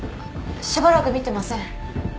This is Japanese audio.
しばらく見てません。